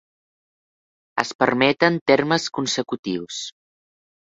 Es permeten termes consecutius.